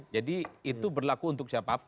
jadi itu berlaku untuk siapapun